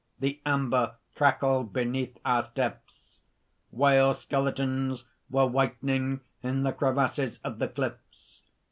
The amber crackled beneath our steps. Whale skeletons were whitening in the crevasses of the cliffs.